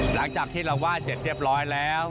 หลังจากที่เราไหว้เสร็จเรียบร้อยแล้ว